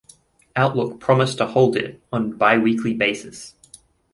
Outlook promised to hold it on biweekly basis.